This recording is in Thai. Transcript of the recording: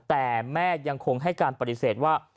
แต่แม่ยังคงให้การปฏิเสธว่า